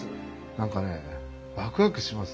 何かねワクワクします。